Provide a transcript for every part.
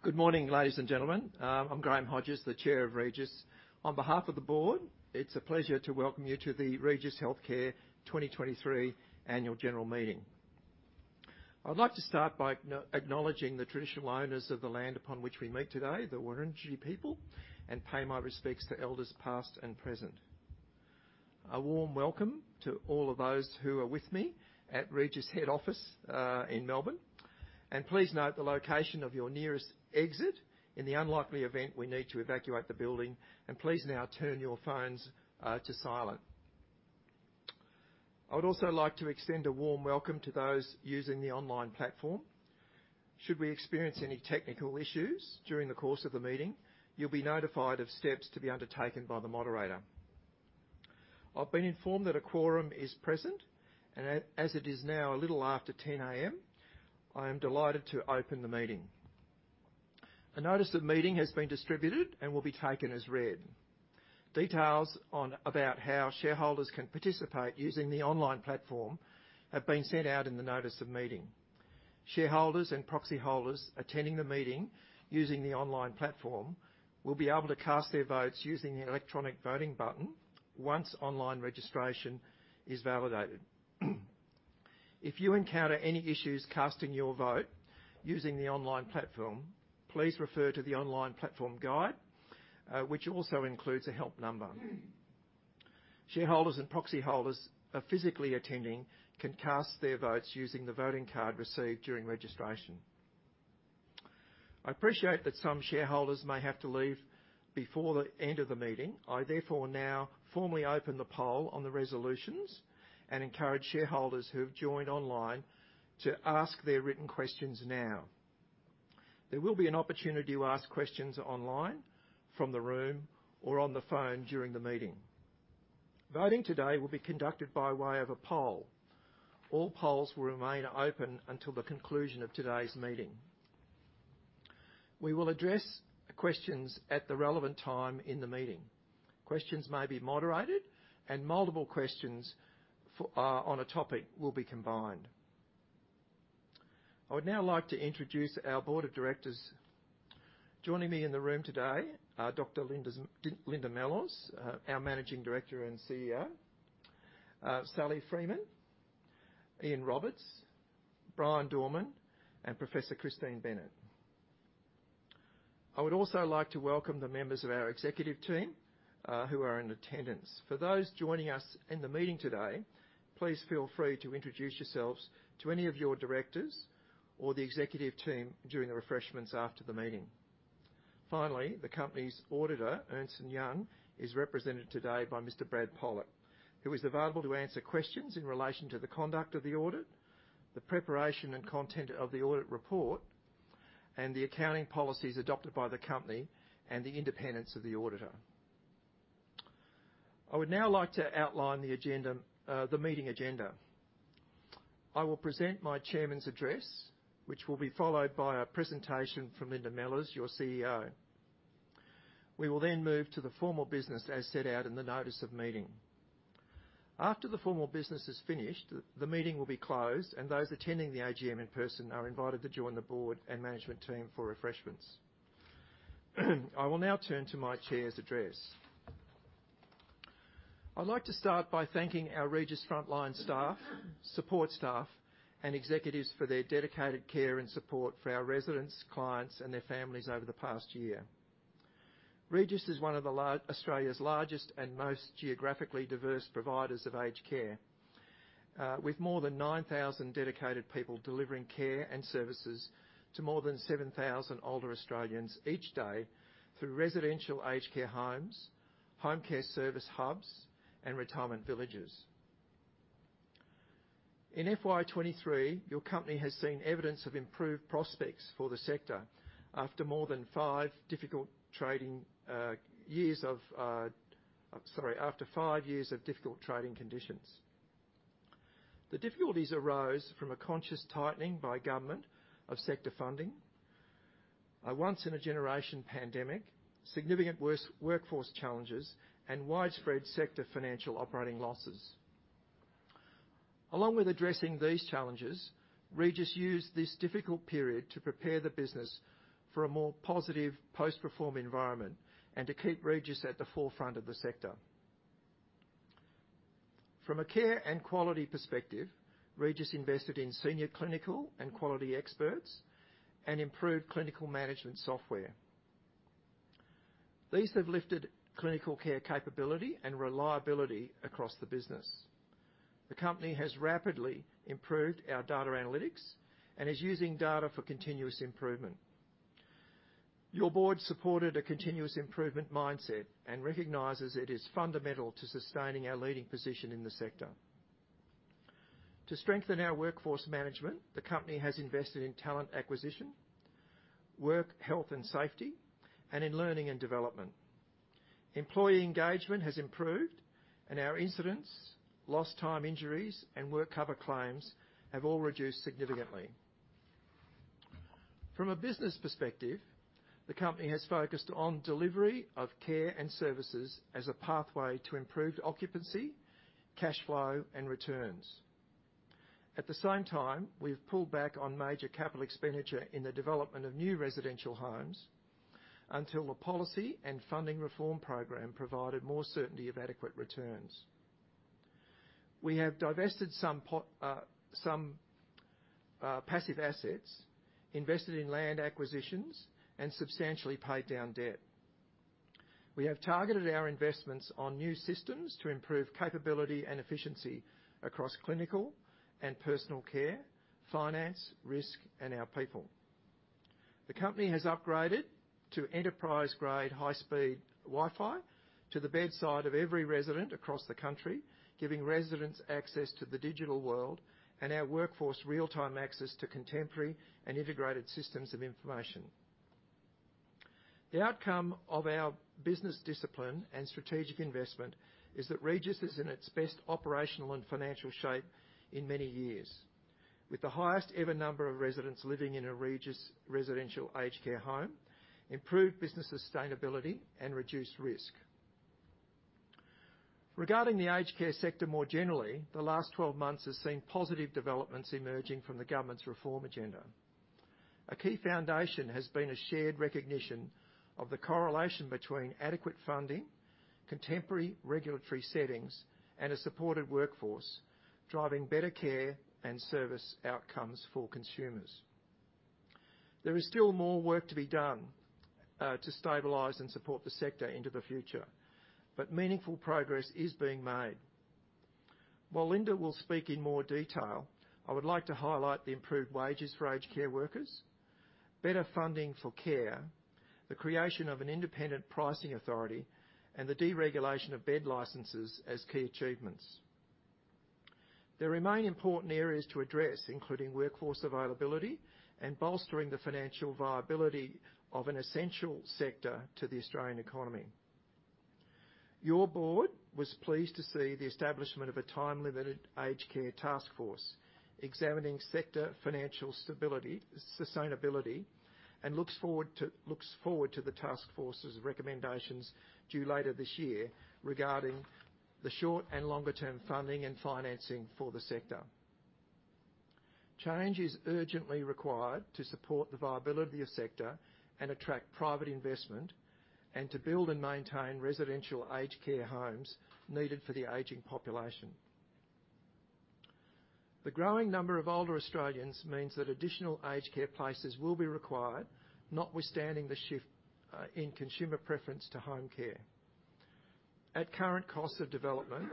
Good morning, ladies and gentlemen. I'm Graham Hodges, the Chair of Regis. On behalf of the board, it's a pleasure to welcome you to the Regis Healthcare 2023 Annual General Meeting. I'd like to start by acknowledging the traditional owners of the land upon which we meet today, the Wurundjeri people, and pay my respects to elders, past and present. A warm welcome to all of those who are with me at Regis head office in Melbourne, and please note the location of your nearest exit in the unlikely event we need to evacuate the building, and please now turn your phones to silent. I would also like to extend a warm welcome to those using the online platform. Should we experience any technical issues during the course of the meeting, you'll be notified of steps to be undertaken by the moderator. I've been informed that a quorum is present, and as it is now a little after 10 A.M., I am delighted to open the meeting. A notice of meeting has been distributed and will be taken as read. Details about how shareholders can participate using the online platform have been sent out in the notice of meeting. Shareholders and proxy holders attending the meeting using the online platform will be able to cast their votes using the electronic voting button once online registration is validated. If you encounter any issues casting your vote using the online platform, please refer to the online platform guide, which also includes a help number. Shareholders and proxy holders physically attending can cast their votes using the voting card received during registration. I appreciate that some shareholders may have to leave before the end of the meeting. I, therefore, now formally open the poll on the resolutions and encourage shareholders who have joined online to ask their written questions now. There will be an opportunity to ask questions online, from the room, or on the phone during the meeting. Voting today will be conducted by way of a poll. All polls will remain open until the conclusion of today's meeting. We will address the questions at the relevant time in the meeting. Questions may be moderated, and multiple questions on a topic will be combined. I would now like to introduce our board of directors. Joining me in the room today are Dr. Linda Mellors, our Managing Director and CEO, Sally Freeman, Ian Roberts, Bryan Dorman, and Professor Christine Bennett. I would also like to welcome the members of our executive team, who are in attendance. For those joining us in the meeting today, please feel free to introduce yourselves to any of your directors or the executive team during the refreshments after the meeting. Finally, the company's auditor, Ernst & Young, is represented today by Mr. Brad Pollock, who is available to answer questions in relation to the conduct of the audit, the preparation and content of the audit report, and the accounting policies adopted by the company, and the independence of the auditor. I would now like to outline the agenda, the meeting agenda. I will present my chairman's address, which will be followed by a presentation from Linda Mellors, your CEO. We will then move to the formal business as set out in the notice of meeting. After the formal business is finished, the meeting will be closed, and those attending the AGM in person are invited to join the board and management team for refreshments. I will now turn to my Chair's address. I'd like to start by thanking our Regis frontline staff, support staff, and executives for their dedicated care and support for our residents, clients, and their families over the past year. Regis is one of Australia's largest and most geographically diverse providers of aged care with more than 9,000 dedicated people delivering care and services to more than 7,000 older Australians each day through residential aged care homes, home care service hubs, and retirement villages. In FY 2023, your company has seen evidence of improved prospects for the sector after five years of difficult trading conditions. The difficulties arose from a conscious tightening by government of sector funding, a once-in-a-generation pandemic, significant workforce challenges, and widespread sector financial operating losses. Along with addressing these challenges, Regis used this difficult period to prepare the business for a more positive post-reform environment and to keep Regis at the forefront of the sector. From a care and quality perspective, Regis invested in senior clinical and quality experts and improved clinical management software. These have lifted clinical care capability and reliability across the business. The company has rapidly improved our data analytics and is using data for continuous improvement. Your board supported a continuous improvement mindset and recognizes it is fundamental to sustaining our leading position in the sector. To strengthen our workforce management, the company has invested in talent acquisition, work health and safety, and in learning and development. Employee engagement has improved, and our incidents, lost time injuries, and WorkCover claims have all reduced significantly. From a business perspective, the company has focused on delivery of care and services as a pathway to improved occupancy, cash flow, and returns. At the same time, we've pulled back on major capital expenditure in the development of new residential homes until the policy and funding reform program provided more certainty of adequate returns. We have divested some passive assets, invested in land acquisitions, and substantially paid down debt. We have targeted our investments on new systems to improve capability and efficiency across clinical and personal care, finance, risk, and our people. The company has upgraded to enterprise-grade, high-speed Wi-Fi to the bedside of every resident across the country, giving residents access to the digital world and our workforce real-time access to contemporary and integrated systems of information. The outcome of our business discipline and strategic investment is that Regis is in its best operational and financial shape in many years, with the highest ever number of residents living in a Regis residential aged care home, improved business sustainability, and reduced risk. Regarding the aged care sector more generally, the last 12 months has seen positive developments emerging from the government's reform agenda. A key foundation has been a shared recognition of the correlation between adequate funding, contemporary regulatory settings, and a supported workforce, driving better care and service outcomes for consumers. There is still more work to be done, to stabilize and support the sector into the future, but meaningful progress is being made. While Linda will speak in more detail, I would like to highlight the improved wages for aged care workers, better funding for care, the creation of an independent pricing authority, and the deregulation of bed licenses as key achievements. There remain important areas to address, including workforce availability and bolstering the financial viability of an essential sector to the Australian economy. Your board was pleased to see the establishment of a time-limited Aged Care Taskforce examining sector financial stability, sustainability, and looks forward to the task force's recommendations, due later this year, regarding the short and longer-term funding and financing for the sector. Change is urgently required to support the viability of sector and attract private investment, and to build and maintain residential aged care homes needed for the aging population. The growing number of older Australians means that additional aged care places will be required, notwithstanding the shift in consumer preference to home care. At current costs of development,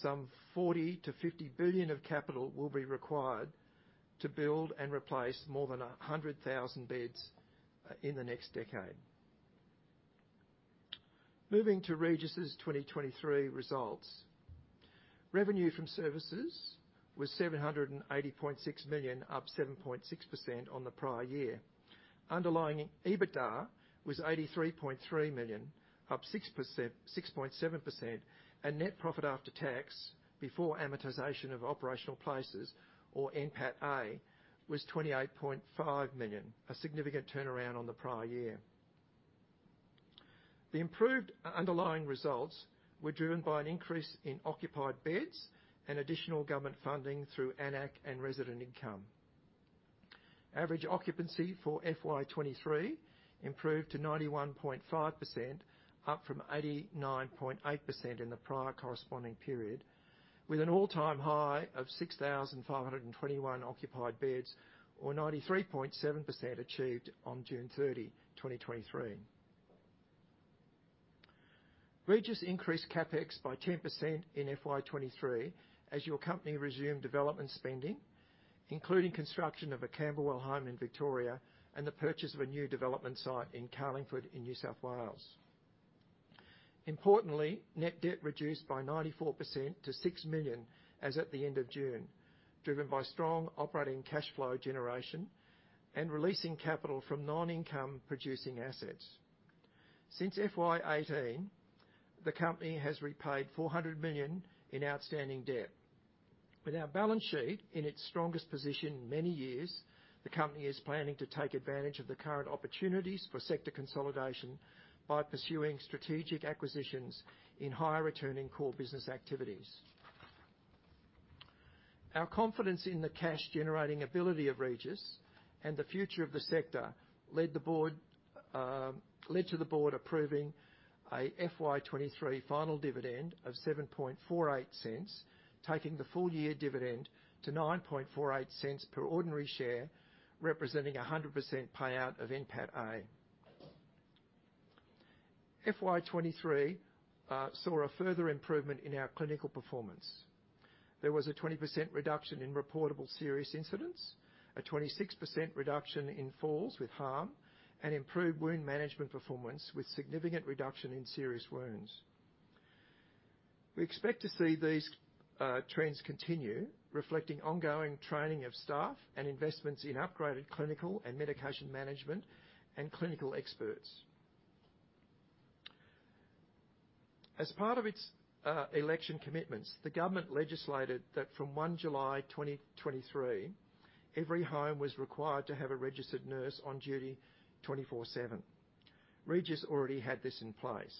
some 40- 50 billion of capital will be required to build and replace more than 100,000 beds in the next decade. Moving to Regis's 2023 results: Revenue from services was 780.6 million, up 7.6% on the prior year. Underlying EBITDA was 83.3 million, up 6.7%, and net profit after tax, before amortization of operational places, or NPATA, was 28.5 million, a significant turnaround on the prior year. The improved underlying results were driven by an increase in occupied beds and additional government funding through AN-ACC and resident income. Average occupancy for FY 2023 improved to 91.5%, up from 89.8% in the prior corresponding period, with an all-time high of 6,521 occupied beds, or 93.7%, achieved on June 30, 2023. Regis increased CapEx by 10% in FY 2023 as your company resumed development spending, including construction of a Camberwell home in Victoria and the purchase of a new development site in Carlingford, in New South Wales. Importantly, net debt reduced by 94% to 6 million as at the end of June, driven by strong operating cash flow generation and releasing capital from non-income producing assets. Since FY 2018, the company has repaid 400 million in outstanding debt. With our balance sheet in its strongest position in many years, the company is planning to take advantage of the current opportunities for sector consolidation by pursuing strategic acquisitions in higher returning core business activities. Our confidence in the cash-generating ability of Regis and the future of the sector led to the board approving a FY 2023 final dividend of 0.0748, taking the full year dividend to 0.0948 per ordinary share, representing a 100% payout of NPAT-A. FY 2023 saw a further improvement in our clinical performance. There was a 20% reduction in reportable serious incidents, a 26% reduction in falls with harm, and improved wound management performance, with significant reduction in serious wounds. We expect to see these trends continue, reflecting ongoing training of staff and investments in upgraded clinical and medication management, and clinical experts. As part of its election commitments, the government legislated that from July 1, 2023, every home was required to have a registered nurse on duty 24/7. Regis already had this in place.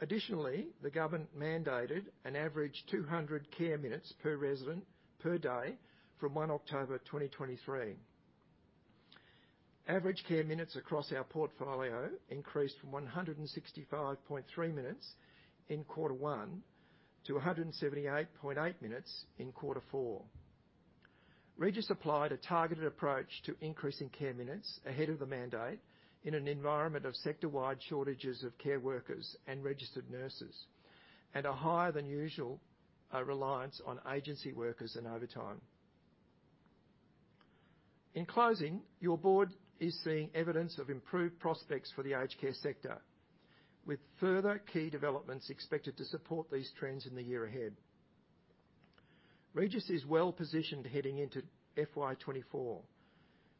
Additionally, the government mandated an average 200 care minutes per resident per day from October 1, 2023. Average care minutes across our portfolio increased from 165.3 minutes in quarter one to 178.8 minutes in quarter four. Regis applied a targeted approach to increasing care minutes ahead of the mandate in an environment of sector-wide shortages of care workers and registered nurses, and a higher than usual reliance on agency workers and overtime. In closing, your board is seeing evidence of improved prospects for the aged care sector, with further key developments expected to support these trends in the year ahead. Regis is well positioned heading into FY 2024,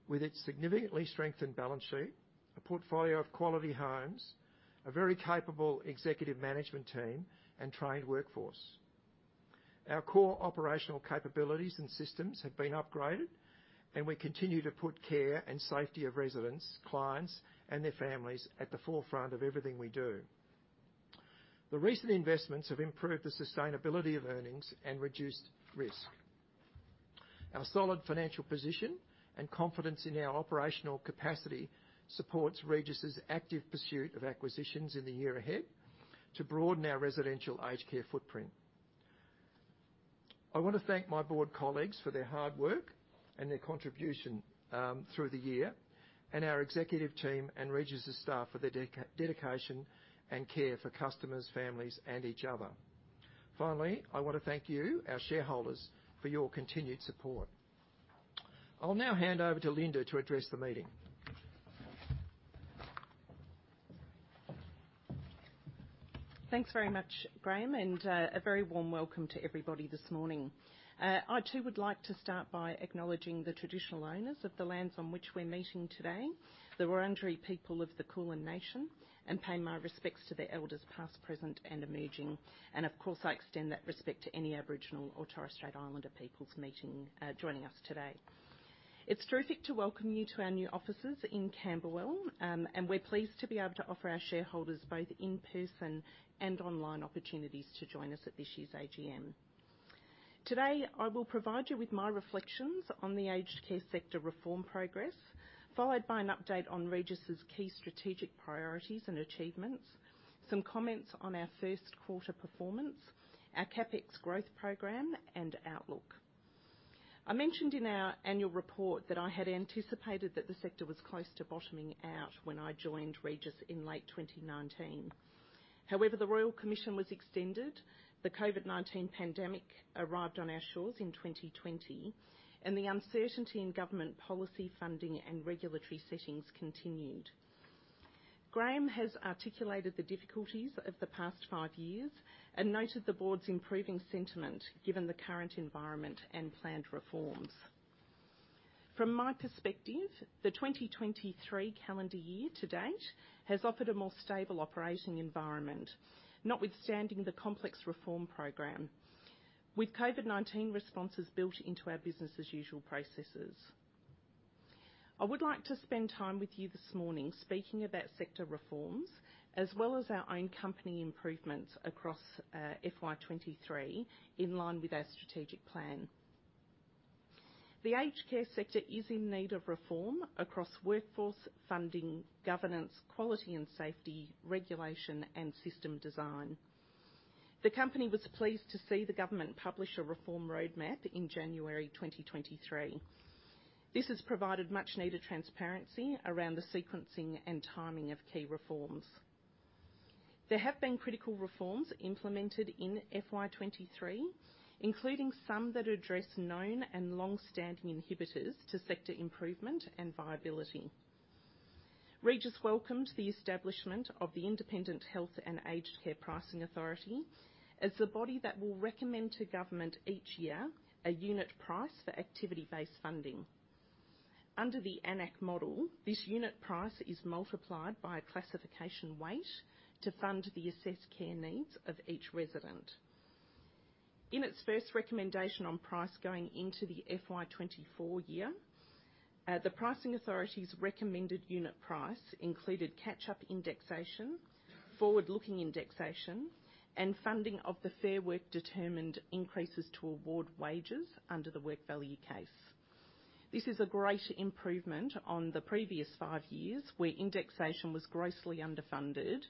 with its significantly strengthened balance sheet, a portfolio of quality homes, a very capable executive management team, and trained workforce. Our core operational capabilities and systems have been upgraded, and we continue to put care and safety of residents, clients, and their families at the forefront of everything we do. The recent investments have improved the sustainability of earnings and reduced risk. Our solid financial position and confidence in our operational capacity supports Regis's active pursuit of acquisitions in the year ahead to broaden our residential aged care footprint. I want to thank my board colleagues for their hard work and their contribution through the year, and our executive team and Regis' staff for their dedication and care for customers, families, and each other. Finally, I want to thank you, our shareholders, for your continued support. I'll now hand over to Linda to address the meeting. Thanks very much, Graham, and a very warm welcome to everybody this morning. I, too, would like to start by acknowledging the traditional owners of the lands on which we're meeting today, the Wurundjeri people of the Kulin Nation, and pay my respects to the Elders, past, present, and emerging. And of course, I extend that respect to any Aboriginal or Torres Strait Islander peoples meeting, joining us today. It's terrific to welcome you to our new offices in Camberwell. And we're pleased to be able to offer our shareholders both in-person and online opportunities to join us at this year's AGM. Today, I will provide you with my reflections on the aged care sector reform progress, followed by an update on Regis' key strategic priorities and achievements, some comments on our first quarter performance, our CapEx growth program, and outlook. I mentioned in our annual report that I had anticipated that the sector was close to bottoming out when I joined Regis in late 2019. However, the Royal Commission was extended, the COVID-19 pandemic arrived on our shores in 2020, and the uncertainty in government policy, funding, and regulatory settings continued. Graham has articulated the difficulties of the past five years and noted the board's improving sentiment, given the current environment and planned reforms. From my perspective, the 2023 calendar year to date has offered a more stable operating environment, notwithstanding the complex reform program, with COVID-19 responses built into our business as usual processes. I would like to spend time with you this morning speaking about sector reforms, as well as our own company improvements across FY 2023, in line with our strategic plan. The aged care sector is in need of reform across workforce, funding, governance, quality and safety, regulation, and system design. The company was pleased to see the government publish a reform roadmap in January 2023. This has provided much-needed transparency around the sequencing and timing of key reforms. There have been critical reforms implemented in FY 2023, including some that address known and long-standing inhibitors to sector improvement and viability. Regis welcomed the establishment of the Independent Health and Aged Care Pricing Authority as the body that will recommend to government each year a unit price for activity-based funding. Under the AN-ACC model, this unit price is multiplied by a classification weight to fund the assessed care needs of each resident. In its first recommendation on price going into the FY 2024 year, the pricing authority's recommended unit price included catch-up indexation, forward-looking indexation, and funding of the Fair Work determined increases to award wages under the Work Value Case. This is a great improvement on the previous five years, where indexation was grossly underfunded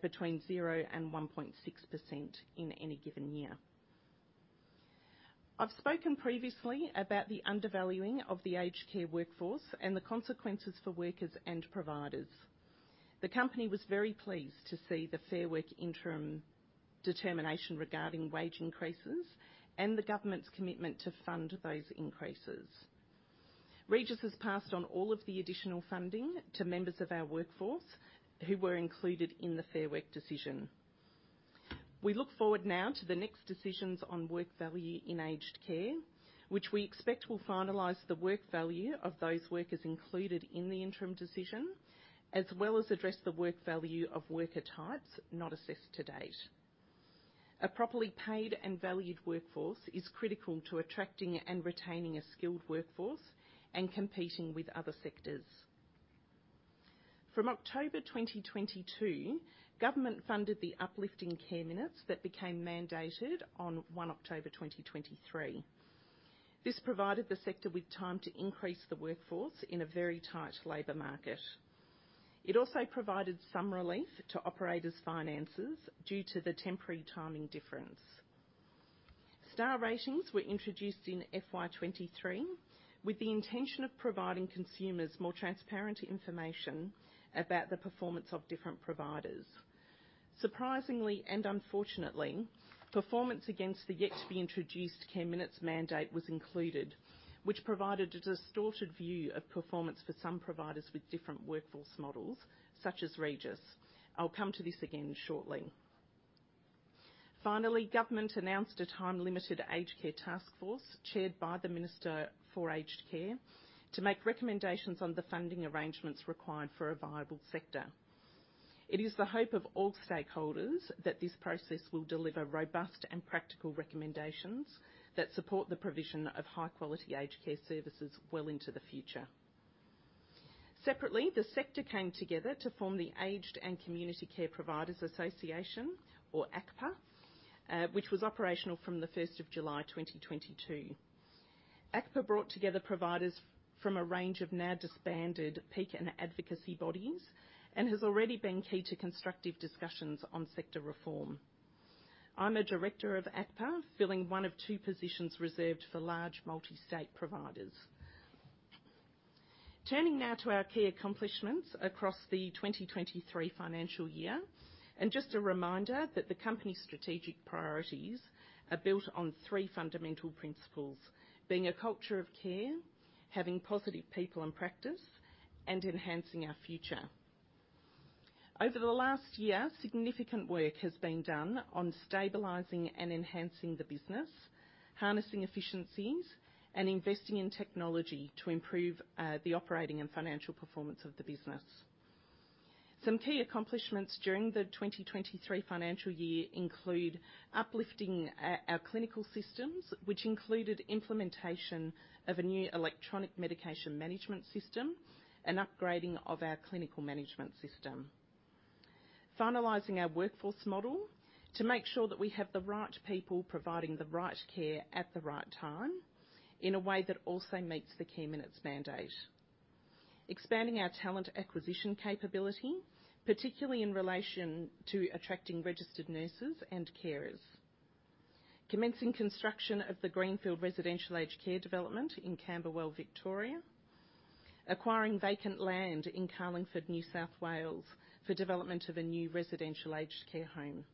between 0% and 1.6% in any given year. I've spoken previously about the undervaluing of the aged care workforce and the consequences for workers and providers. The company was very pleased to see the Fair Work interim determination regarding wage increases and the government's commitment to fund those increases. Regis has passed on all of the additional funding to members of our workforce who were included in the Fair Work decision. We look forward now to the next decisions on work value in aged care, which we expect will finalize the work value of those workers included in the interim decision, as well as address the work value of worker types not assessed to date. A properly paid and valued workforce is critical to attracting and retaining a skilled workforce and competing with other sectors. From October 2022, government funded the uplifting care minutes that became mandated on 1 October 2023. This provided the sector with time to increase the workforce in a very tight labor market. It also provided some relief to operators' finances due to the temporary timing difference. Star Ratings were introduced in FY 23, with the intention of providing consumers more transparent information about the performance of different providers. Surprisingly and unfortunately, performance against the yet-to-be-introduced Care Minutes mandate was included, which provided a distorted view of performance for some providers with different workforce models, such as Regis. I'll come to this again shortly. Finally, government announced a time-limited Aged Care Taskforce, chaired by the Minister for Aged Care, to make recommendations on the funding arrangements required for a viable sector. It is the hope of all stakeholders that this process will deliver robust and practical recommendations that support the provision of high-quality aged care services well into the future. Separately, the sector came together to form the Aged and Community Care Providers Association, or ACCPA, which was operational from the first of July 2022. ACCPA brought together providers from a range of now disbanded peak and advocacy bodies and has already been key to constructive discussions on sector reform. I'm a director of ACCPA, filling one of two positions reserved for large multi-state providers. Turning now to our key accomplishments across the 2023 financial year, and just a reminder that the company's strategic priorities are built on three fundamental principles: being a culture of care, having positive people and practice, and enhancing our future. Over the last year, significant work has been done on stabilizing and enhancing the business, harnessing efficiencies, and investing in technology to improve the operating and financial performance of the business. Some key accomplishments during the 2023 financial year include uplifting our clinical systems, which included implementation of a new electronic medication management system and upgrading of our clinical management system. Finalizing our workforce model to make sure that we have the right people providing the right care at the right time, in a way that also meets the Care Minutes mandate. Expanding our talent acquisition capability, particularly in relation to attracting registered nurses and carers. Commencing construction of the Greenfield Residential Aged Care Development in Camberwell, Victoria. Acquiring vacant land in Carlingford, New South Wales, for development of a new residential aged care home.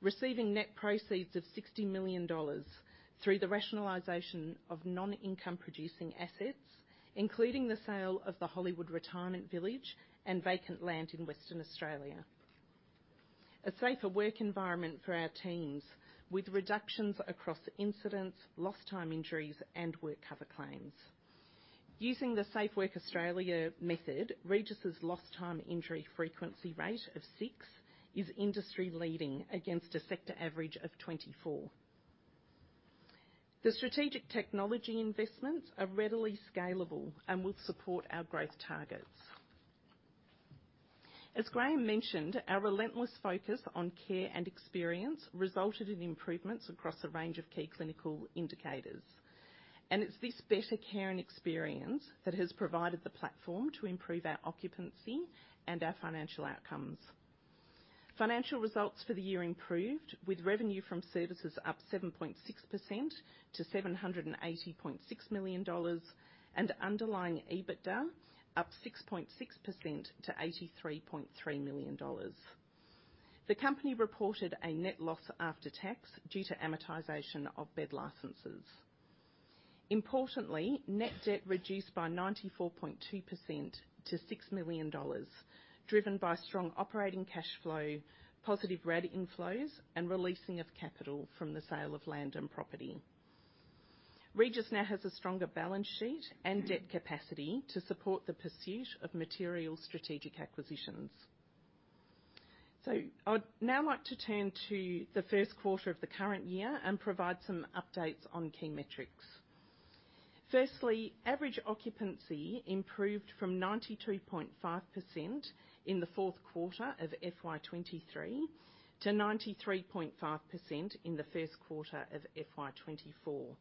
Receiving net proceeds of 60 million dollars through the rationalization of non-income producing assets, including the sale of the Hollywood Retirement Village and vacant land in Western Australia. A safer work environment for our teams, with reductions across incidents, lost time injuries, and WorkCover claims. Using the Safe Work Australia method, Regis's lost time injury frequency rate of six is industry-leading against a sector average of 24. The strategic technology investments are readily scalable and will support our growth targets. As Graham mentioned, our relentless focus on care and experience resulted in improvements across a range of key clinical indicators, and it's this better care and experience that has provided the platform to improve our occupancy and our financial outcomes. Financial results for the year improved, with revenue from services up 7.6% to AUD 780.6 million, and underlying EBITDA up 6.6% to AUD 83.3 million. The company reported a net loss after tax due to amortization of bed licenses. Importantly, net debt reduced by 94.2% to 6 million dollars, driven by strong operating cash flow, positive RAD inflows, and releasing of capital from the sale of land and property. Regis now has a stronger balance sheet and debt capacity to support the pursuit of material strategic acquisitions. I'd now like to turn to the first quarter of the current year and provide some updates on key metrics. Firstly, average occupancy improved from 92.5% in the fourth quarter of FY 2023, to 93.5% in the first quarter of FY 2024.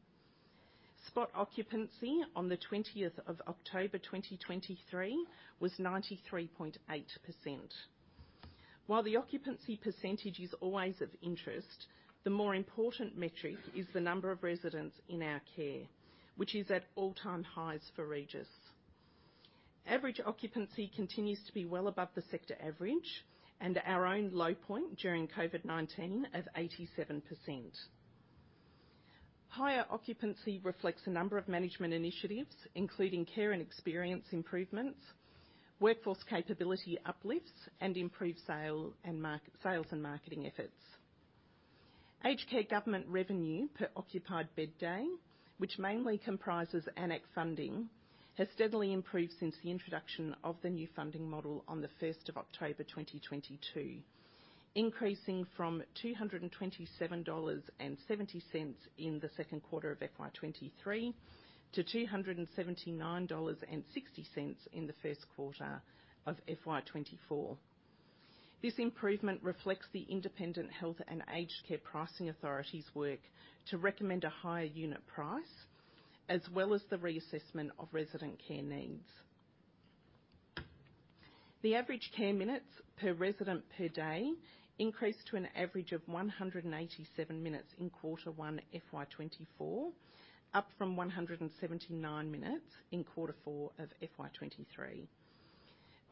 Spot occupancy on the 20th of October 2023 was 93.8%. While the occupancy percentage is always of interest, the more important metric is the number of residents in our care, which is at all-time highs for Regis. Average occupancy continues to be well above the sector average, and our own low point during COVID-19 of 87%. Higher occupancy reflects a number of management initiatives, including care and experience improvements, workforce capability uplifts, and improved sales and marketing efforts. Aged care government revenue per occupied bed day, which mainly comprises AN-ACC funding, has steadily improved since the introduction of the new funding model on the first of October 2022, increasing from AUD 227.70 in the second quarter of FY 2023, to AUD 279.60 in the first quarter of FY 2024. This improvement reflects the Independent Health and Aged Care Pricing Authority's work to recommend a higher unit price, as well as the reassessment of resident care needs. The average care minutes per resident per day increased to an average of 187 minutes in quarter 1, FY 2024, up from 179 minutes in quarter 4 of FY 2023.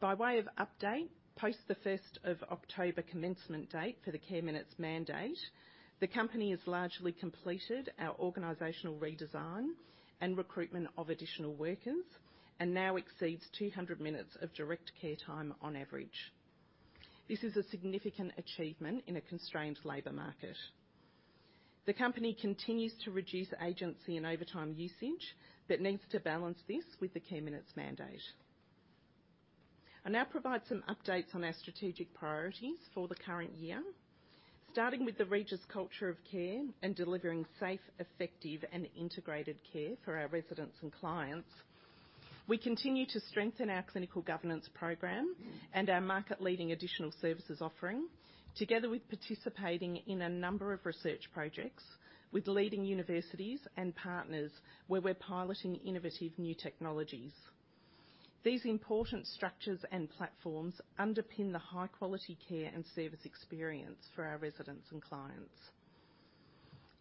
By way of update, post the first of October commencement date for the care minutes mandate, the company has largely completed our organizational redesign and recruitment of additional workers, and now exceeds 200 minutes of direct care time on average. This is a significant achievement in a constrained labor market. The company continues to reduce agency and overtime usage, but needs to balance this with the care minutes mandate. I'll now provide some updates on our strategic priorities for the current year. Starting with the Regis culture of care and delivering safe, effective, and integrated care for our residents and clients. We continue to strengthen our clinical governance program and our market-leading additional services offering, together with participating in a number of research projects with leading universities and partners, where we're piloting innovative new technologies. These important structures and platforms underpin the high-quality care and service experience for our residents and clients.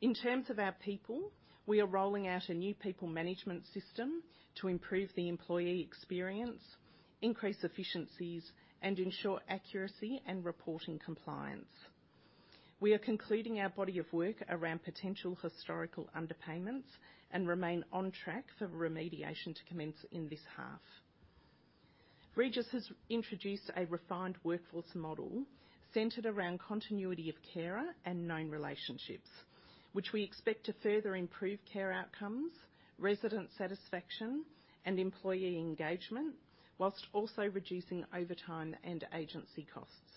In terms of our people, we are rolling out a new people management system to improve the employee experience, increase efficiencies, and ensure accuracy and reporting compliance. We are concluding our body of work around potential historical underpayments and remain on track for remediation to commence in this half. Regis has introduced a refined workforce model centered around continuity of carer and known relationships, which we expect to further improve care outcomes, resident satisfaction, and employee engagement, whilst also reducing overtime and agency costs.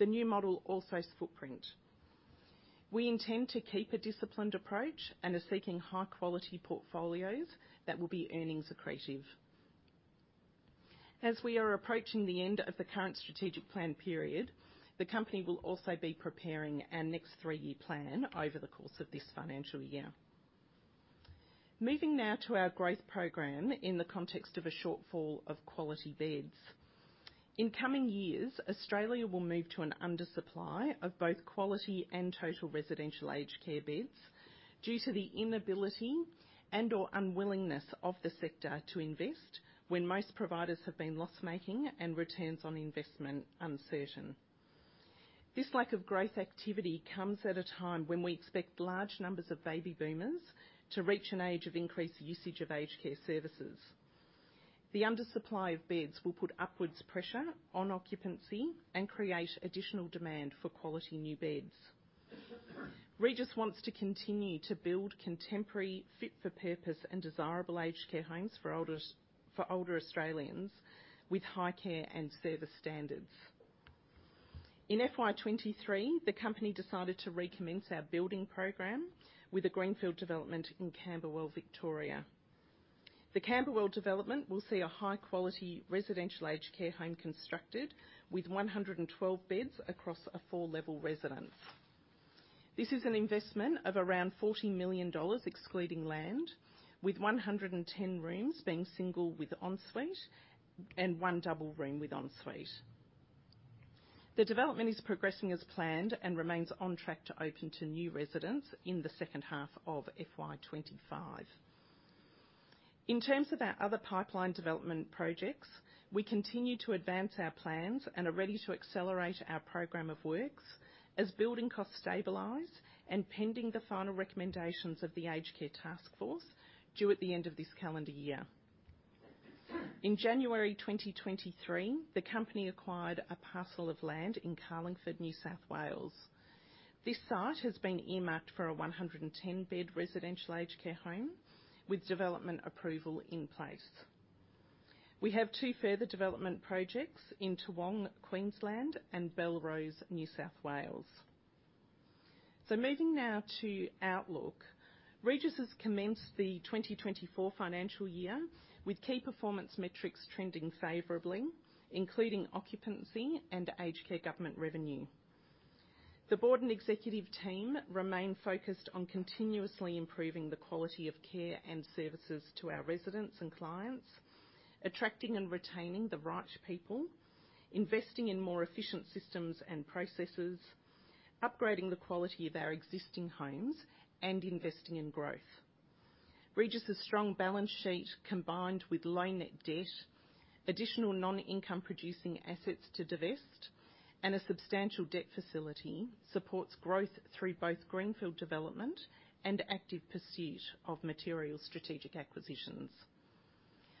The new model also supports our footprint. We intend to keep a disciplined approach and are seeking high-quality portfolios that will be earnings accretive. As we are approaching the end of the current strategic plan period, the company will also be preparing our next three-year plan over the course of this financial year. Moving now to our growth program in the context of a shortfall of quality beds. In coming years, Australia will move to an undersupply of both quality and total residential aged care beds due to the inability and/or unwillingness of the sector to invest when most providers have been loss-making and returns on investment uncertain. This lack of growth activity comes at a time when we expect large numbers of baby boomers to reach an age of increased usage of aged care services. The undersupply of beds will put upwards pressure on occupancy and create additional demand for quality new beds. Regis wants to continue to build contemporary, fit-for-purpose, and desirable aged care homes for olders, for older Australians with high care and service standards. In FY 2023, the company decided to recommence our building program with a greenfield development in Camberwell, Victoria. The Camberwell development will see a high-quality residential aged care home constructed with 112 beds across a four-level residence. This is an investment of around 40 million dollars, excluding land, with 110 rooms being single with en suite and 1 double room with en suite. The development is progressing as planned and remains on track to open to new residents in the second half of FY 2025. In terms of our other pipeline development projects, we continue to advance our plans and are ready to accelerate our program of works as building costs stabilize and pending the final recommendations of the Aged Care Taskforce, due at the end of this calendar year. In January 2023, the company acquired a parcel of land in Carlingford, New South Wales. This site has been earmarked for a 110-bed residential aged care home with development approval in place. We have two further development projects in Toowong, Queensland, and Belrose, New South Wales. So moving now to outlook. Regis has commenced the 2024 financial year with key performance metrics trending favorably, including occupancy and aged care government revenue. The board and executive team remain focused on continuously improving the quality of care and services to our residents and clients, attracting and retaining the right people, investing in more efficient systems and processes, upgrading the quality of our existing homes, and investing in growth. Regis' strong balance sheet, combined with low net debt, additional non-income producing assets to divest, and a substantial debt facility, supports growth through both greenfield development and active pursuit of material strategic acquisitions....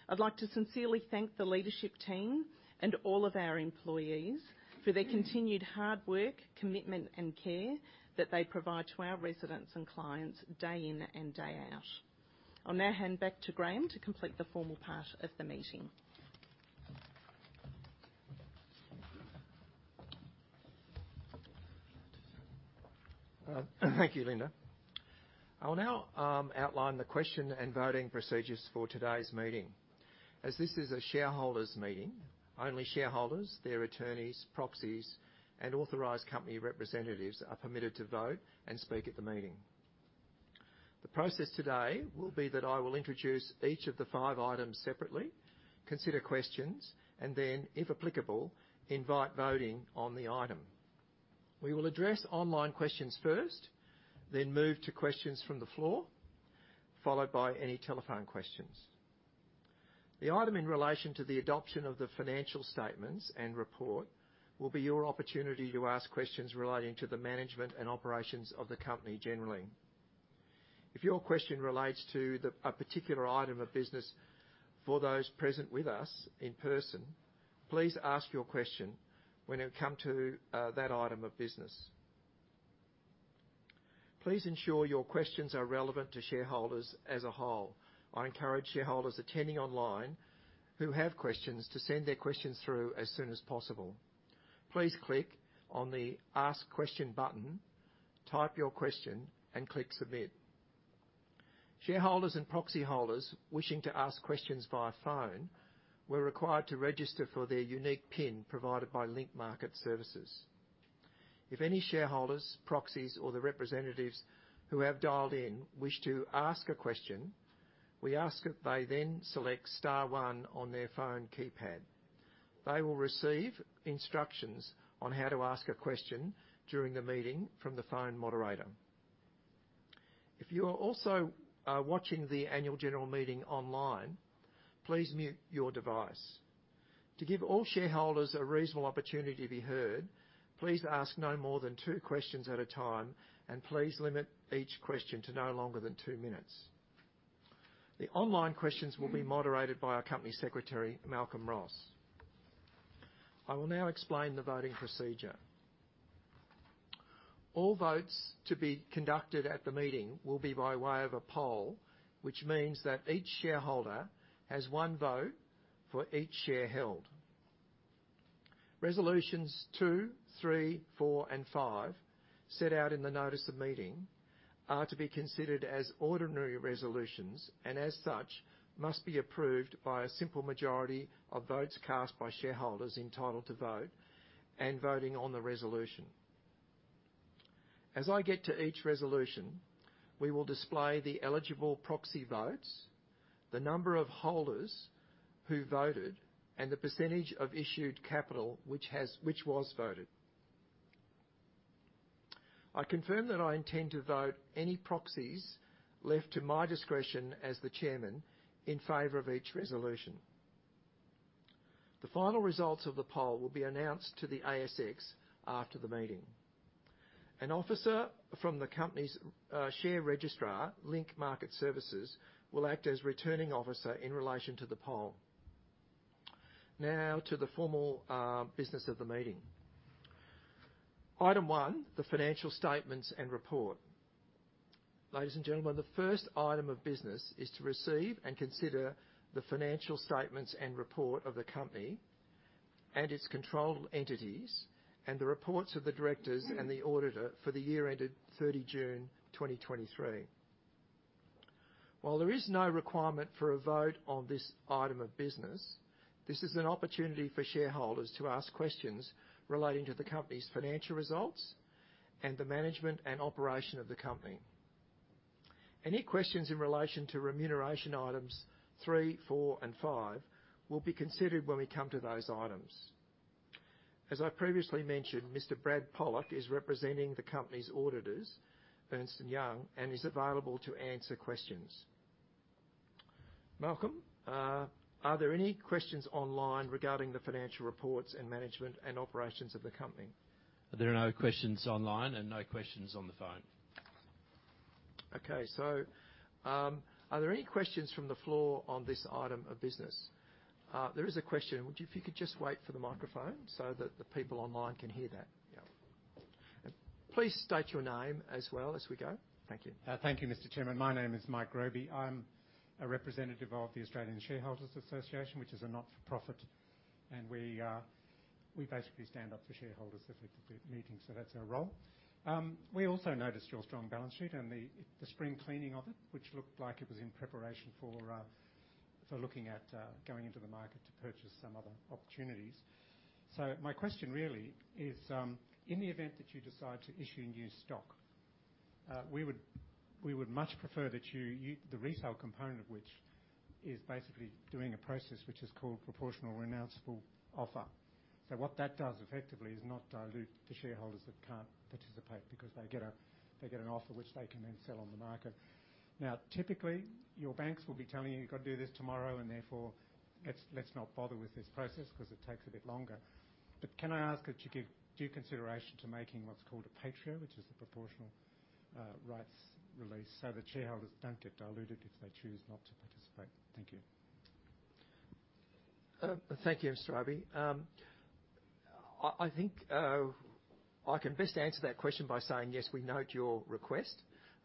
I'd like to sincerely thank the leadership team and all of our employees for their continued hard work, commitment, and care that they provide to our residents and clients day in and day out. I'll now hand back to Graham to complete the formal part of the meeting. Thank you, Linda. I will now outline the question and voting procedures for today's meeting. As this is a shareholders' meeting, only shareholders, their attorneys, proxies, and authorized company representatives are permitted to vote and speak at the meeting. The process today will be that I will introduce each of the five items separately, consider questions, and then, if applicable, invite voting on the item. We will address online questions first, then move to questions from the floor, followed by any telephone questions. The item in relation to the adoption of the financial statements and report will be your opportunity to ask questions relating to the management and operations of the company generally. If your question relates to a particular item of business for those present with us in person, please ask your question when it come to that item of business. Please ensure your questions are relevant to shareholders as a whole. I encourage shareholders attending online who have questions to send their questions through as soon as possible. Please click on the Ask Question button, type your question, and click Submit. Shareholders and proxy holders wishing to ask questions via phone were required to register for their unique PIN provided by Link Market Services. If any shareholders, proxies, or the representatives who have dialed in wish to ask a question, we ask that they then select star one on their phone keypad. They will receive instructions on how to ask a question during the meeting from the phone moderator. If you are also watching the annual general meeting online, please mute your device. To give all shareholders a reasonable opportunity to be heard, please ask no more than two questions at a time, and please limit each question to no longer than two minutes. The online questions will be moderated by our Company Secretary, Malcolm Ross. I will now explain the voting procedure. All votes to be conducted at the meeting will be by way of a poll, which means that each shareholder has one vote for each share held. Resolutions two, three, four, and five, set out in the notice of meeting, are to be considered as ordinary resolutions, and as such, must be approved by a simple majority of votes cast by shareholders entitled to vote and voting on the resolution. As I get to each resolution, we will display the eligible proxy votes, the number of holders who voted, and the percentage of issued capital which was voted. I confirm that I intend to vote any proxies left to my discretion as the chairman in favor of each resolution. The final results of the poll will be announced to the ASX after the meeting. An officer from the company's share registrar, Link Market Services, will act as returning officer in relation to the poll. Now to the formal business of the meeting. Item 1, the financial statements and report. Ladies and gentlemen, the first item of business is to receive and consider the financial statements and report of the company and its controlled entities, and the reports of the directors and the auditor for the year ended 30 June 2023. While there is no requirement for a vote on this item of business, this is an opportunity for shareholders to ask questions relating to the company's financial results and the management and operation of the company. Any questions in relation to remuneration items three, four, and five will be considered when we come to those items. As I previously mentioned, Mr. Brad Pollock is representing the company's auditors, Ernst & Young, and is available to answer questions. Malcolm, are there any questions online regarding the financial reports and management and operations of the company? There are no questions online and no questions on the phone. Okay, so, are there any questions from the floor on this item of business? There is a question. Would you? If you could just wait for the microphone so that the people online can hear that? Yeah. Please state your name as well as we go. Thank you. Thank you, Mr. Chairman. My name is Mike Robey. I'm a representative of the Australian Shareholders Association, which is a not-for-profit, and we basically stand up for shareholders if at the meeting, so that's our role. We also noticed your strong balance sheet and the spring cleaning of it, which looked like it was in preparation for looking at going into the market to purchase some other opportunities. So my question really is, in the event that you decide to issue new stock, we would much prefer that you... The retail component of which is basically doing a process which is called proportional renounceable offer. So what that does effectively is not dilute the shareholders that can't participate because they get an offer which they can then sell on the market. Now, typically, your banks will be telling you, "You've got to do this tomorrow, and therefore, let's not bother with this process because it takes a bit longer." But can I ask that you give due consideration to making what's called a pro rata, which is the proportional rights release so the shareholders don't get diluted if they choose not to participate. Thank you. Thank you, Mr. Robey. I think I can best answer that question by saying, yes, we note your request.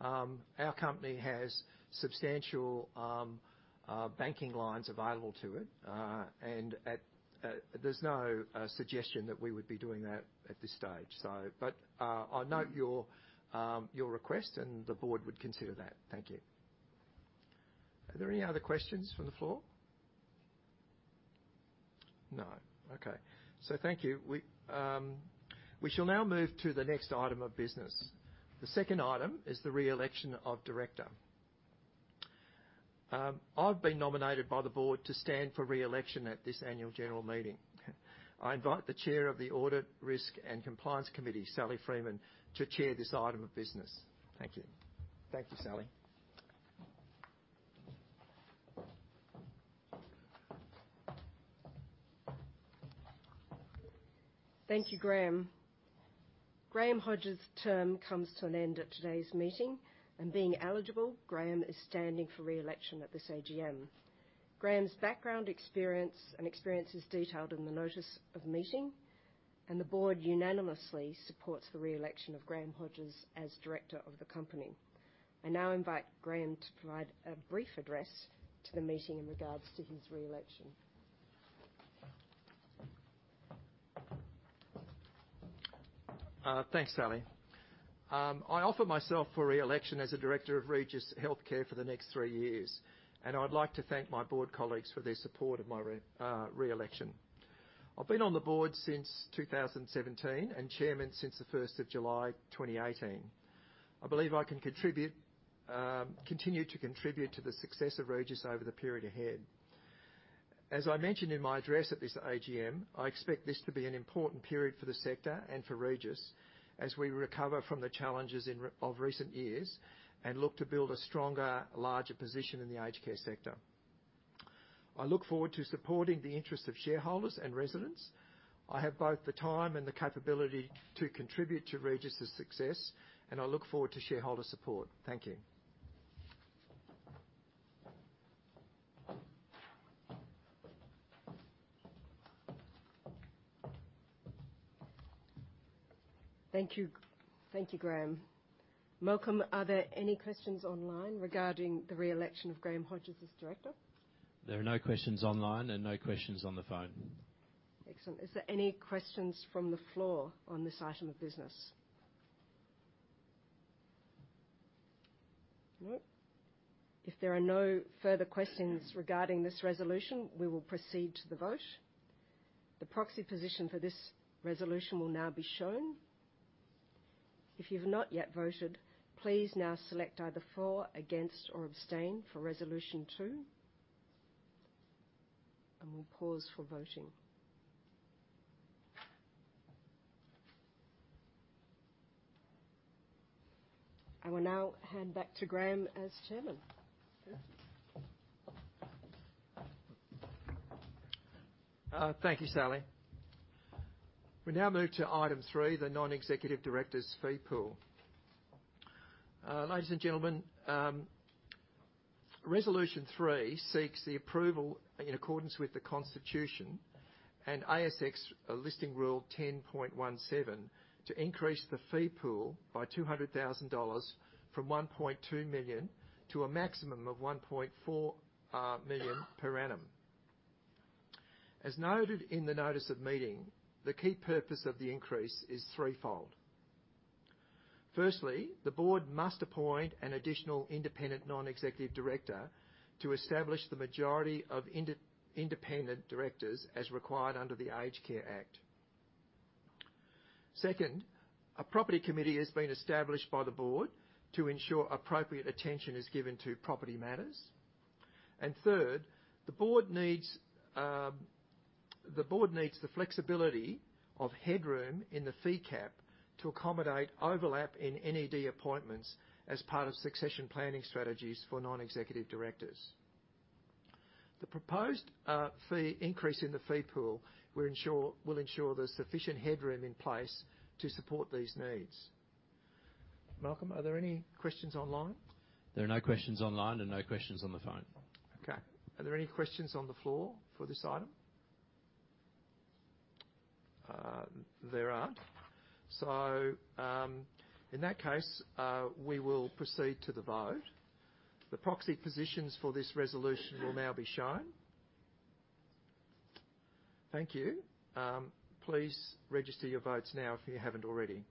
Our company has substantial banking lines available to it. And there's no suggestion that we would be doing that at this stage. So, but I note your request, and the board would consider that. Thank you. Are there any other questions from the floor? No. Okay. So thank you. We shall now move to the next item of business. The second item is the re-election of director. I've been nominated by the board to stand for re-election at this annual general meeting. I invite the Chair of the Audit, Risk, and Compliance Committee, Sally Freeman, to chair this item of business. Thank you. Thank you, Sally. Thank you, Graham. Graham Hodges' term comes to an end at today's meeting, and being eligible, Graham is standing for re-election at this AGM. Graham's background, experience, and experience is detailed in the notice of meeting, and the board unanimously supports the re-election of Graham Hodges as Director of the company. I now invite Graham to provide a brief address to the meeting in regards to his re-election. Thanks, Sally. I offer myself for re-election as a director of Regis Healthcare for the next three years, and I'd like to thank my board colleagues for their support of my re-election. I've been on the board since 2017, and chairman since July 1, 2018. I believe I can contribute, continue to contribute to the success of Regis over the period ahead. As I mentioned in my address at this AGM, I expect this to be an important period for the sector and for Regis, as we recover from the challenges in recent years, and look to build a stronger, larger position in the aged care sector. I look forward to supporting the interests of shareholders and residents. I have both the time and the capability to contribute to Regis' success, and I look forward to shareholder support. Thank you. Thank you. Thank you, Graham. Malcolm, are there any questions online regarding the re-election of Graham Hodges as director? There are no questions online and no questions on the phone. Excellent. Is there any questions from the floor on this item of business? No. If there are no further questions regarding this resolution, we will proceed to the vote. The proxy position for this resolution will now be shown. If you've not yet voted, please now select either for, against, or abstain for Resolution Two, and we'll pause for voting. I will now hand back to Graham as Chairman. Yeah. Thank you, Sally. We now move to Item 3, the non-executive director's fee pool. Ladies and gentlemen, Resolution 3 seeks the approval, in accordance with the Constitution and ASX Listing Rule 10.17, to increase the fee pool by 200,000 dollars from 1.2 million to a maximum of 1.4 million per annum. As noted in the notice of meeting, the key purpose of the increase is threefold. Firstly, the board must appoint an additional independent non-executive director to establish the majority of independent directors, as required under the Aged Care Act. Second, a Property Committee has been established by the board to ensure appropriate attention is given to property matters. And third, the board needs the flexibility of headroom in the fee cap to accommodate overlap in NED appointments as part of succession planning strategies for non-executive directors. The proposed fee increase in the fee pool will ensure, will ensure there's sufficient headroom in place to support these needs. Malcolm, are there any questions online? There are no questions online and no questions on the phone. Okay. Are there any questions on the floor for this item? There aren't. So, in that case, we will proceed to the vote. The proxy positions for this resolution will now be shown. Thank you. Please register your votes now if you haven't already.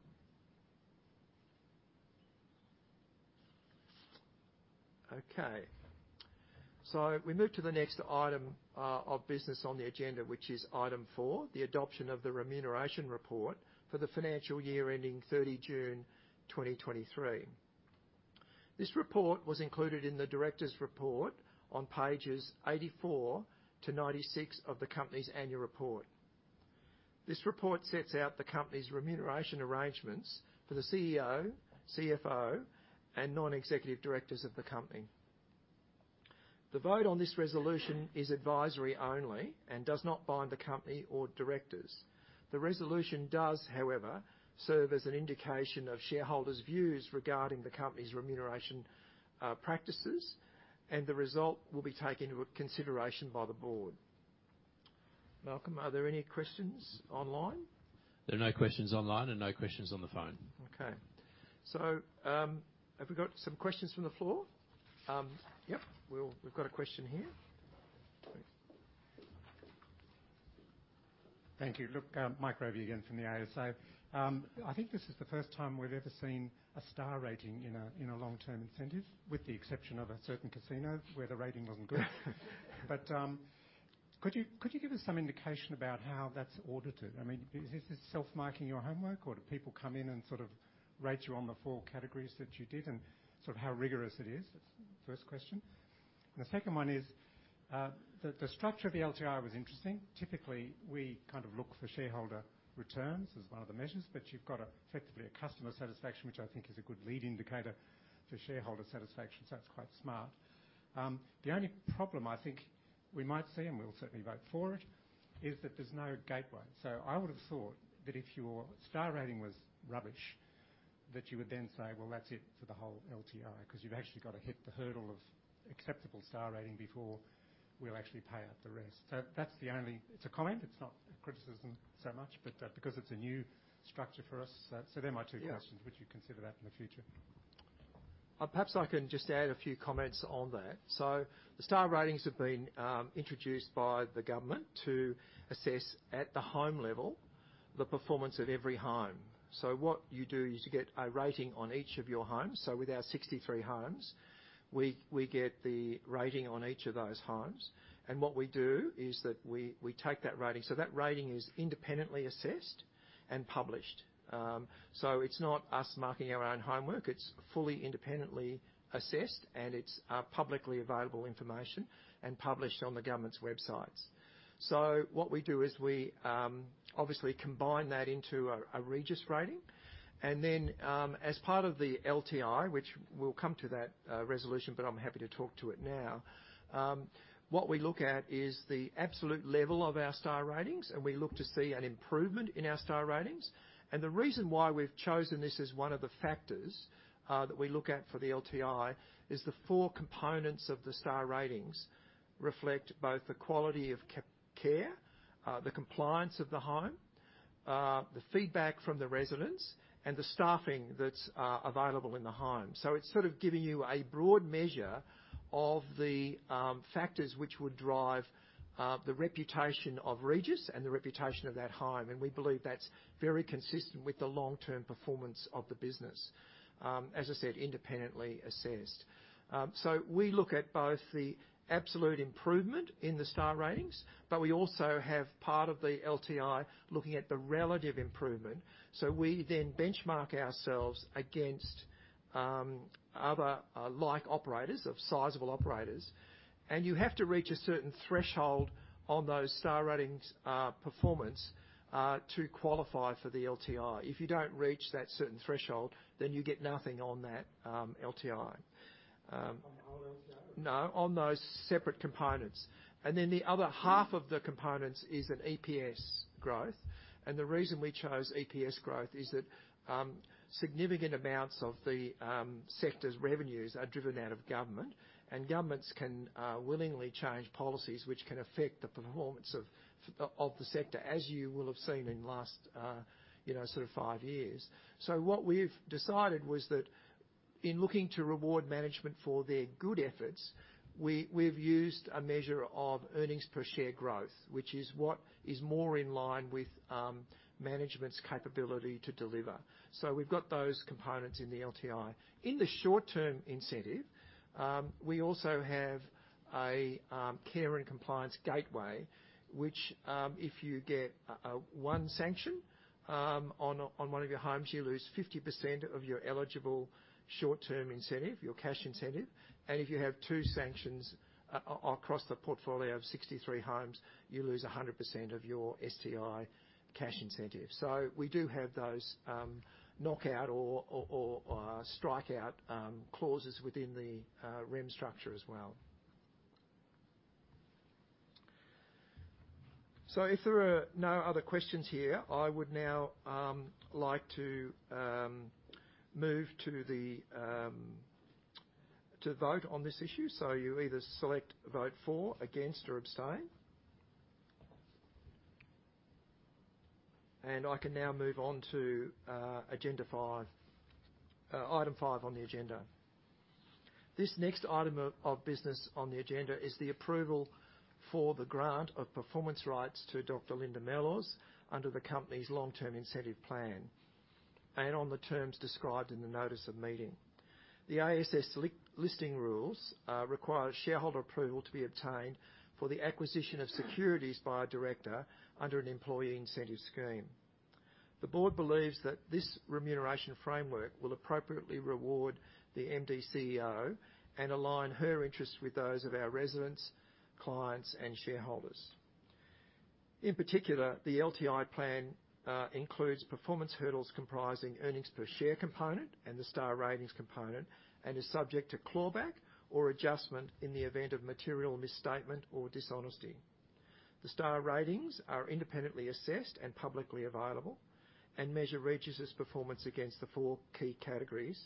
Okay, so we move to the next item of business on the agenda, which is Item 4, the adoption of the Remuneration Report for the financial year ending 30 June 2023. This report was included in the director's report on pages 84 to 96 of the company's annual report. This report sets out the company's remuneration arrangements for the CEO, CFO, and non-executive directors of the company. The vote on this resolution is advisory only and does not bind the company or directors. The resolution does, however, serve as an indication of shareholders' views regarding the company's remuneration practices, and the result will be taken into consideration by the board. Malcolm, are there any questions online? There are no questions online and no questions on the phone. Okay. So, have we got some questions from the floor? Yep, we've got a question here. Thank you. Look, Mike Robey again, from the ASA. I think this is the first time we've ever seen a Star Rating in a long-term incentive, with the exception of a certain casino where the rating wasn't good. But, could you give us some indication about how that's audited? I mean, is this self-marking your homework, or do people come in and sort of rate you on the four categories that you did, and sort of how rigorous it is? First question. And the second one is, the structure of the LTI was interesting. Typically, we kind of look for shareholder returns as one of the measures, but you've got a, effectively, a customer satisfaction, which I think is a good lead indicator for shareholder satisfaction, so that's quite smart. The only problem I think we might see, and we'll certainly vote for it, is that there's no gateway. So I would have thought that if your Star Rating was rubbish, that you would then say, "Well, that's it for the whole LTI," 'cause you've actually got to hit the hurdle of acceptable Star Rating before we'll actually pay out the rest. So that's the only... It's a comment, it's not a criticism so much, but, because it's a new structure for us. So they're my two questions. Yeah. Would you consider that in the future? Perhaps I can just add a few comments on that. So the Star Ratings have been introduced by the government to assess, at the home level, the performance at every home. So what you do is, you get a rating on each of your homes. So with our 63 homes, we get the rating on each of those homes, and what we do is that we take that rating. So that rating is independently assessed and published. So it's not us marking our own homework, it's fully independently assessed, and it's publicly available information and published on the government's websites. So what we do is we obviously combine that into a Regis rating. And then, as part of the LTI, which we'll come to that resolution, but I'm happy to talk to it now. What we look at is the absolute level of our star ratings, and we look to see an improvement in our star ratings. The reason why we've chosen this as one of the factors that we look at for the LTI is the four components of the star ratings reflect both the quality of care, the compliance of the home, the feedback from the residents, and the staffing that's available in the home. It's sort of giving you a broad measure of the factors which would drive the reputation of Regis and the reputation of that home, and we believe that's very consistent with the long-term performance of the business. As I said, independently assessed. So we look at both the absolute improvement in the Star Ratings, but we also have part of the LTI looking at the relative improvement. So we then benchmark ourselves against other, like operators, of sizable operators, and you have to reach a certain threshold on those Star Ratings, performance, to qualify for the LTI. If you don't reach that certain threshold, then you get nothing on that, LTI. On the LTI? No, on those separate components. And then the other half of the components is an EPS growth. And the reason we chose EPS growth is that significant amounts of the sector's revenues are driven out of government. And governments can willingly change policies which can affect the performance of the sector, as you will have seen in the last, you know, sort of five years. So what we've decided was that in looking to reward management for their good efforts, we've used a measure of earnings per share growth, which is what is more in line with management's capability to deliver. So we've got those components in the LTI. In the short-term incentive, we also have a care and compliance gateway, which, if you get one sanction on one of your homes, you lose 50% of your eligible short-term incentive, your cash incentive. And if you have two sanctions across the portfolio of 63 homes, you lose 100% of your STI cash incentive. So we do have those knockout or strikeout clauses within the REM structure as well. So if there are no other questions here, I would now like to move to the vote on this issue. So you either select vote for, against, or abstain. And I can now move on to agenda item five on the agenda. This next item of business on the agenda is the approval for the grant of performance rights to Dr. Linda Mellors under the company's long-term incentive plan, and on the terms described in the notice of meeting. The ASX listing rules require shareholder approval to be obtained for the acquisition of securities by a director under an employee incentive scheme. The board believes that this remuneration framework will appropriately reward the MD CEO and align her interests with those of our residents, clients, and shareholders. In particular, the LTI plan includes performance hurdles comprising earnings per share component and the Star Ratings component, and is subject to clawback or adjustment in the event of material misstatement or dishonesty. The Star Ratings are independently assessed and publicly available, and measure Regis's performance against the four key categories,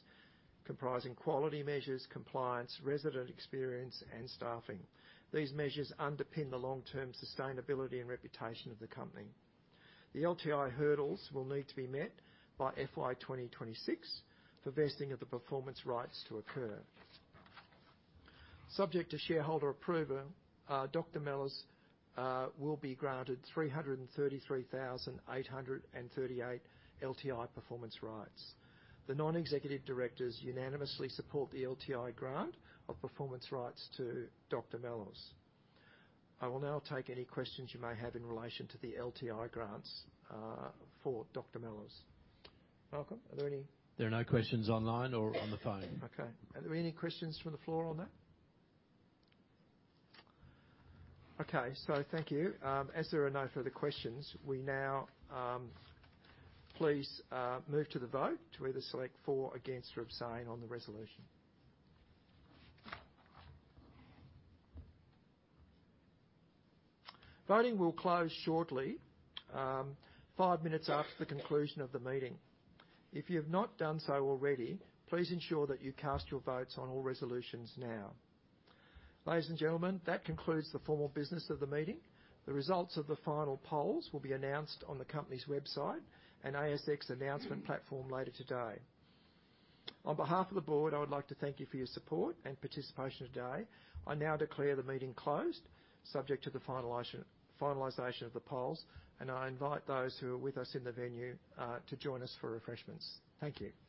comprising quality measures, compliance, resident experience, and staffing. These measures underpin the long-term sustainability and reputation of the company. The LTI hurdles will need to be met by FY 2026 for vesting of the performance rights to occur. Subject to shareholder approval, Dr. Mellors will be granted 333,838 LTI performance rights. The non-executive directors unanimously support the LTI grant of performance rights to Dr. Mellors. I will now take any questions you may have in relation to the LTI grants for Dr. Mellors. Malcolm, are there any? There are no questions online or on the phone. Okay. Are there any questions from the floor on that? Okay, so thank you. As there are no further questions, we now please move to the vote to either select for, against, or abstain on the resolution. Voting will close shortly, five minutes after the conclusion of the meeting. If you have not done so already, please ensure that you cast your votes on all resolutions now. Ladies and gentlemen, that concludes the formal business of the meeting. The results of the final polls will be announced on the company's website and ASX announcement platform later today. On behalf of the board, I would like to thank you for your support and participation today. I now declare the meeting closed, subject to the finalization of the polls, and I invite those who are with us in the venue to join us for refreshments. Thank you.